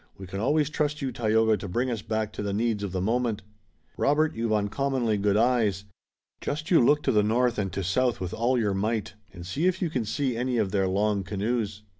"We can always trust you, Tayoga, to bring us back to the needs of the moment. Robert, you've uncommonly good eyes. Just you look to the north and to south with all your might, and see if you can see any of their long canoes."